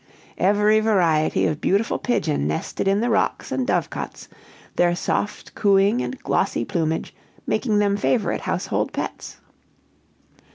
Every variety of beautiful pigeon nested in the rocks and dovecots, their soft cooing and glossy plumage making them favorite household pets.